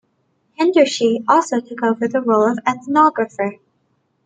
Herderschee also took over the role of ethnographer.